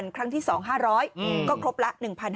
ครั้งที่๒๕๐๐ก็ครบละ๑๕๐